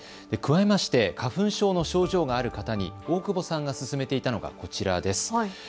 加えまして花粉症の症状がある方に大久保さんが勧めていたのがこちらです。